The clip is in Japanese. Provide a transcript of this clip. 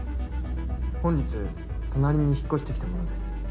本日隣に引っ越してきた者です。